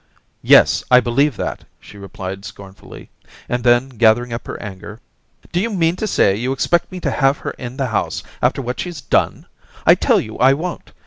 * Yes, I believe that,' she replied scorn fully; and then» gathering up her anger, * D'you mean to say you expect me to have her in the house after what she's done ? I tell you I won't.